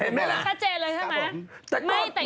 เห็นไหมล่ะชัดเจนเลยใช่ไหมครับผม